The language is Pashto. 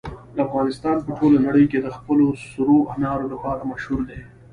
افغانستان په ټوله نړۍ کې د خپلو سرو انارو لپاره مشهور دی.